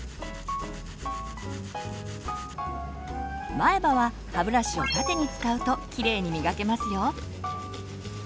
前歯は歯ブラシを縦に使うときれいにみがけますよ。